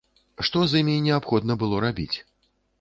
Што з імі неабходна было рабіць?